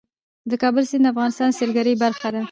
د کابل سیند د افغانستان د سیلګرۍ برخه ده.